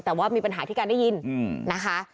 แต่ว่ามีปัญหาที่การได้ยินนะคะ